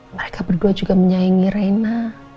mereka berdua juga menyaingi reina